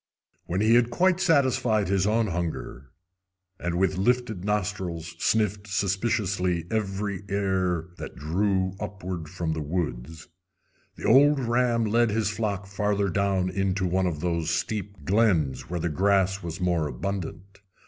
When he had quite satisfied his own hunger, and with lifted nostrils sniffed suspiciously every air that drew upward from the woods, the old ram led his flock further down into one of those steep glens where the grass was more abundant.